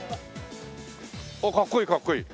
あっかっこいいかっこいい。